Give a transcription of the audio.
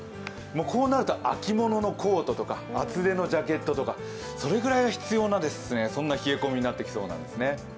こうなると秋物のコートとか厚手のジャケットとかそれぐらいは必要な冷え込みになってきそうなんですね。